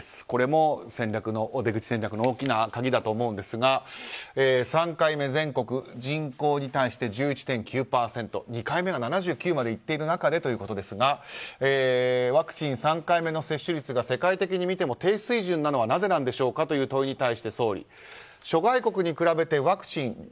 これも出口戦略の大きな鍵だと思うんですが３回目、全国人口に対して１１．９％２回目が７９までいっている中でということですがワクチン３回目の接種率が世界的に見ても低水準なのはなぜなんでしょうかという問いに対して、総理諸外国に比べてワクチン